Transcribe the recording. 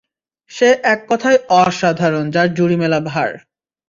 সে এক কথায় অসাধারণ যার জুড়ি মেলা ভার!